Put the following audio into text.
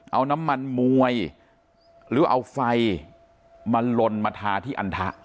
เอาน้ำมันมวยหรือเอาไฟมาลนมาทาที่อันทะ